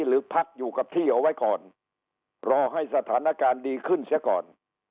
หรือพักอยู่กับที่เอาไว้ก่อนรอให้สถานการณ์ดีขึ้นเสียก่อน